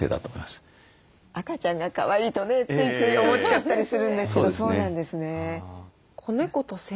赤ちゃんがかわいいとねついつい思っちゃったりするんですけどそうなんですね。